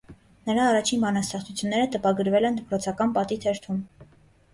Նրա առաջին բանաստեղծությունները տպագրվել են դպրոցական պատի թերթում։